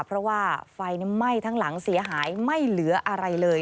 เพราะว่าไฟไหม้ทั้งหลังเสียหายไม่เหลืออะไรเลย